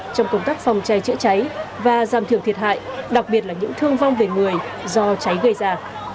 các phòng trái chữa trái và giảm thiểu thiệt hại đặc biệt là những thương vong về người do trái gây ra